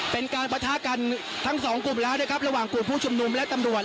เป็นการประทะกันทั้งสองกลุ่มแล้วนะครับระหว่างกลุ่มผู้ชุมนุมและตำรวจ